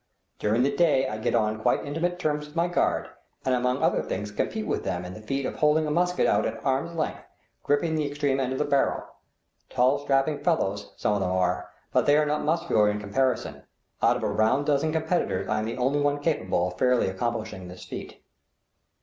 During the day I get on quite intimate terms with my guard, and among other things compete with them in the feat of holding a musket out at arm's length, gripping the extreme end of the barrel. Tall, strapping fellows some of them are, but they are not muscular in comparison; out of a round dozen competitors I am the only one capable of fairly accomplishing this feat.